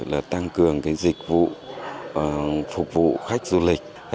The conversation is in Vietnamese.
là tăng cường dịch vụ phục vụ khách du lịch